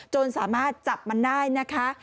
จนสามารถจับมันได้นะคะ